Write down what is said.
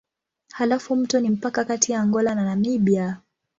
Halafu mto ni mpaka kati ya Angola na Namibia.